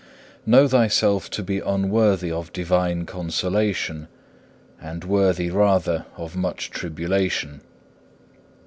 4. Know thyself to be unworthy of divine consolation, and worthy rather of much tribulation.